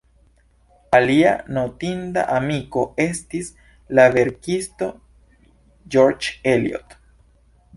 Alia notinda amiko estis la verkisto George Eliot.